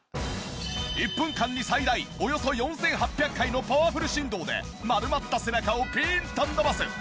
１分間に最大およそ４８００回のパワフル振動で丸まった背中をピーンと伸ばす。